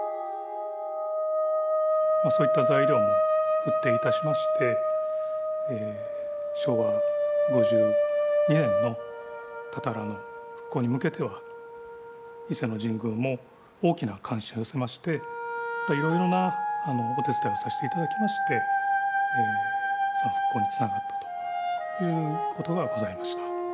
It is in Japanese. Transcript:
そういった材料も払底いたしまして昭和５２年のたたらの復興に向けては伊勢の神宮も大きな関心を寄せましていろいろなお手伝いをさせていただきましてその復興につながったということがございました。